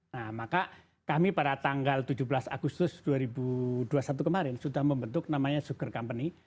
nah maka kami pada tanggal tujuh belas agustus dua ribu dua puluh satu kemarin sudah membentuk namanya sugar company